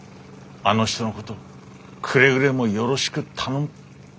あの人のことくれぐれもよろしく頼む」。